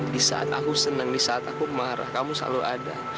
di saat aku senang di saat aku marah kamu selalu ada